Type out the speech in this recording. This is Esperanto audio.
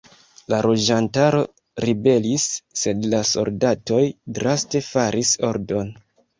La loĝantaro ribelis, sed la soldatoj draste faris ordon.